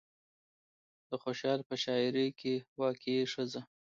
د خوشال په شاعرۍ کې واقعي ښځه